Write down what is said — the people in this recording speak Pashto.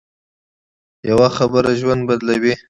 یوه خبره ژوند بدلوي